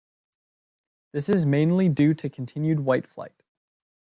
This is mainly due to continued white flight.